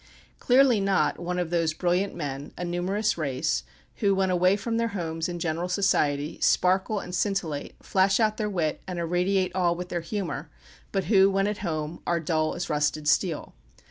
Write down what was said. Clearly not one of those brilliant men, a numerous race, who when away from their homes, in general society, sparkle and scintillate, flash out their wit, and irradiate all with their humour, but who, when at home, are dull as rusted steel.